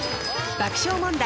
「爆笑問題」